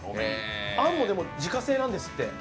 あんも自家製なんですって。